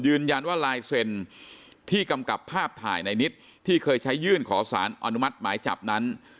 ยืนยันว่าลายเซ็นที่กำกับภาพถ่ายในนิตที่เคยใช้ยื่นขอสารอนุมัติหมายจับนั้น